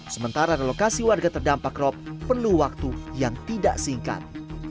sementara relokasi warga terdampak rop perlu waktu yang tidak singkat